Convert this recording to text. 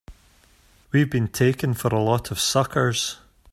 We've been taken for a lot of suckers!